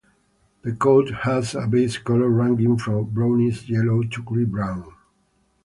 The coat has a base color ranging from brownish-yellow to grey-brown.